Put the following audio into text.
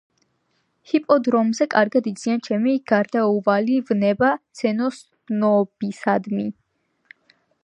ჰიპოდრომზე კარგად იციან ჩემი გარდაუვალი ვნება ცხენოსნობისადმი.